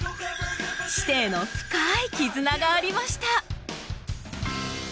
師弟の深い絆がありました。